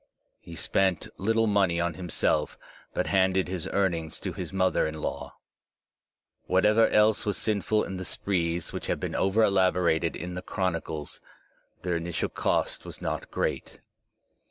He spent little money on himself, but handed his earnings to his mother in law. Whatever else was sinful in the sprees which have been over elaborated in the chronicles, their ini tial cost was not great.